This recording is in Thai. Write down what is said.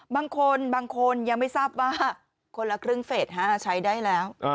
บางคนบางคนยังไม่ทราบว่าคนละครึ่งเฟสใช้ได้แล้ว